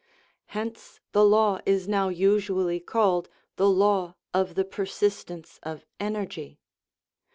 Hence the law is now usu ally called the " law of the persistence of energy.